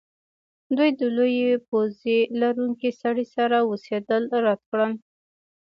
دوی د لویې پوزې لرونکي سړي سره اوسیدل رد کړل